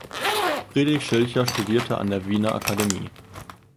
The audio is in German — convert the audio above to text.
Friedrich Schilcher studierte an der Wiener Akademie.